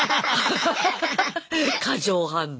過剰反応。